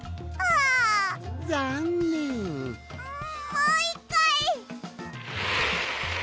もういっかい！